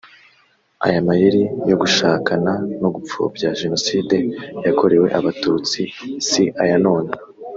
Aya mayeri yo guhakana no gupfobya jenoside yakorewe abatutsi si ayanone